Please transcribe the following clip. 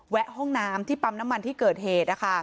ะห้องน้ำที่ปั๊มน้ำมันที่เกิดเหตุ